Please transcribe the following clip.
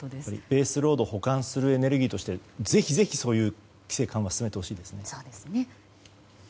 ベースロードを補完するエネルギーとしてぜひぜひ、規制緩和を進めてほしいですね。